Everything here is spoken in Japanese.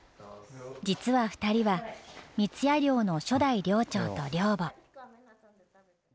実は２人は三矢寮の初代寮長と寮母。